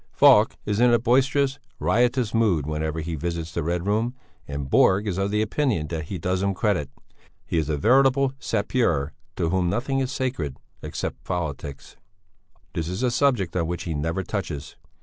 Falk is in a boisterous, riotous mood whenever he visits the Red Room, and Borg is of opinion that he does him credit; he is a veritable sappeur to whom nothing is sacred except politics; this is a subject on which he never touches.